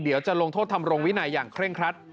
เดี๋ยวจะลงโทษทำรงวินัยอย่างเคร่งครัด